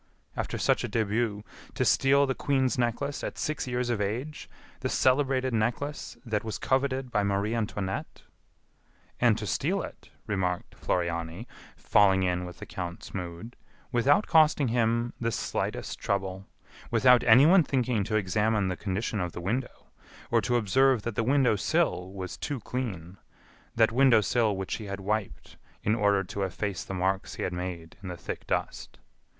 "After such a début! To steal the Queen's Necklace at six years of age; the celebrated necklace that was coveted by Marie Antoinette!" "And to steal it," remarked Floriani, falling in with the count's mood, "without costing him the slightest trouble, without anyone thinking to examine the condition of the window, or to observe that the window sill was too clean that window sill which he had wiped in order to efface the marks he had made in the thick dust.